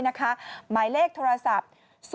หมายเลขโทรศัพท์๐๘๓๕๔๐๘๕๓๙